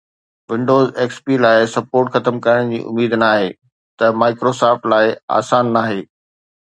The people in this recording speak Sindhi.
ونڊوز XP لاءِ سپورٽ ختم ڪرڻ جي اميد ناهي ته Microsoft لاءِ آسان ناهي